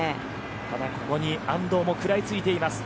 ただ、ここに安藤も食らいついています。